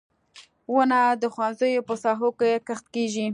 • ونه د ښوونځیو په ساحو کې کښت کیږي.